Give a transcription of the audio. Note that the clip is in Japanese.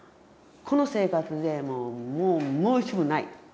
この生活でもうもう申し分ない。